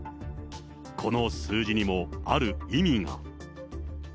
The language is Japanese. この数字にも、ある意味が。